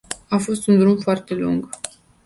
A fost un drum foarte lung.